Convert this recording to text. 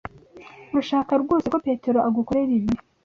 Urashaka rwose ko Petero agukorera ibi?